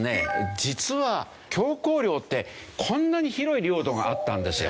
実は教皇領ってこんなに広い領土があったんですよ。